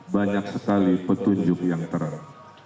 banyak sekali petunjuk yang terang